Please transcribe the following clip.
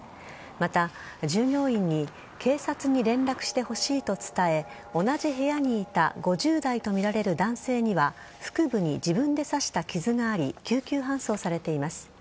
また、従業員に警察に連絡してほしいと伝え同じ部屋にいた５０代とみられる男性には腹部に自分で刺した傷があり救急搬送されています。